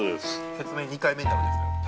説明２回目になるんですけど。